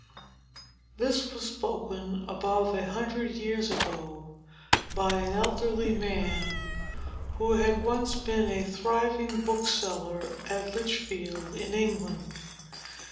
This was spoken, above a hundred years ago, by an elderly man, who had once been a thriving bookseller at Lichfield, in England.